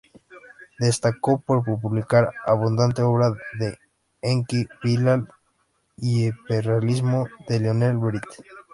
Destacó por publicar abundante obra de Enki Bilal y el hiperrealismo de Lionel Bret.